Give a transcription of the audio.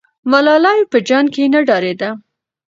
ملالۍ په جنګ کې نه ډارېده.